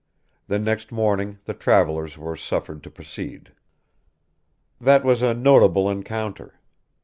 The next morning the travelers were suffered to proceed. That was a notable encounter.